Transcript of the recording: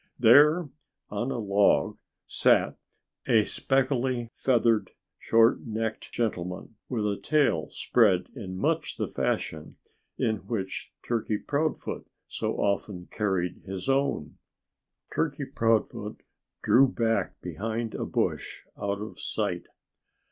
There on a log sat a speckly, feathered, short necked gentleman with a tail spread in much the fashion in which Turkey Proudfoot so often carried his own. Turkey Proudfoot drew back behind a bush, out of sight.